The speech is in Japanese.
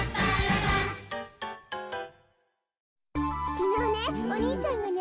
きのうねお兄ちゃんがね